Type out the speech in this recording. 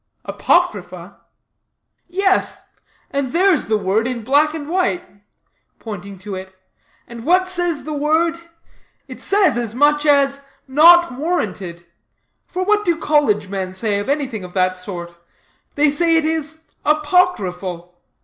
"Apocrypha?" "Yes; and there's the word in black and white," pointing to it. "And what says the word? It says as much as 'not warranted;' for what do college men say of anything of that sort? They say it is apocryphal.